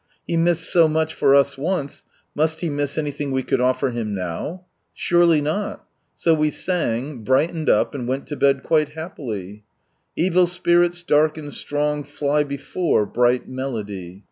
e missed so much for us once, must He miss anything we could offer Him now ? Surely not ! So we sang, brightened up, and went to bed quite happily, " Evil spirits dark and strong Jly before bright melody."